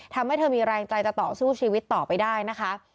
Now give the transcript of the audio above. ทำให้เธอมีแรงใจจะต่อสู้ชีวิตต่อไปได้นะคะ